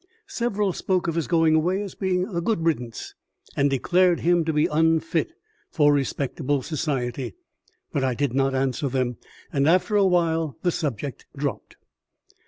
Several spoke of his going away as being a good riddance, and declared him to be unfit for respectable society; but I did not answer them, and after a while the subject dropped.